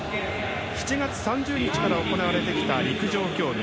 ７月３０日から行われてきた陸上競技。